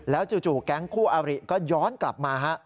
แล้วจู่แก๊งคู่อาบริก็ย้อนกลับมา